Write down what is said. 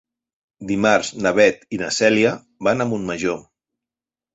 Dimarts na Beth i na Cèlia van a Montmajor.